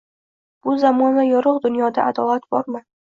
Bu zamonda yorug‘ dunyoda adolat bormi